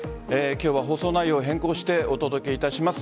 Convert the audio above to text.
今日は放送内容を変更してお届けいたします。